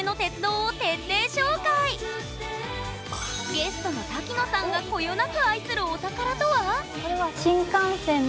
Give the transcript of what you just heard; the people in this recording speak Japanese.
ゲストの瀧野さんがこよなく愛するお宝とは？